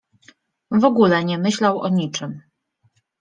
W ogóle nie myślał o niczym.